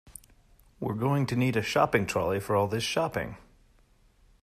We're going to need a shopping trolley for all this shopping